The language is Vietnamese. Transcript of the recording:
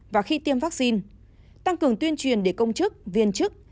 và khi tiêm vaccine tăng cường tuyên truyền để công chức viên chức